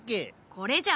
これじゃ。